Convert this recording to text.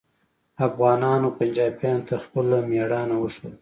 افغانانو پنجابیانو ته خپله میړانه وښوده